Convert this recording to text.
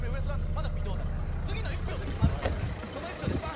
まだ微動だにせず次の１票で決まるっていう時にその１票でバン！